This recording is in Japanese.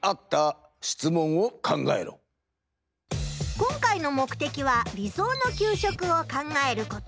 今回の目的は理想の給食を考えること。